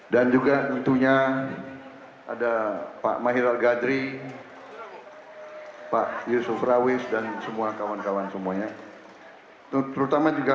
dan juga itunya ada pak mahir gadri pak yusuf rawis dan semua kawan kawan semuanya terutama juga